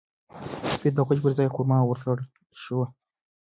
سپي ته د غوښې پر ځای خورما ورکړل شوه.